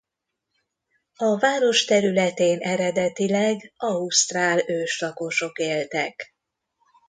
A város területén eredetileg ausztrál őslakosok éltek.